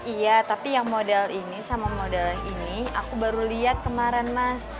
iya tapi yang model ini sama model ini aku baru lihat kemarin mas